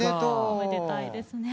おめでたいですね。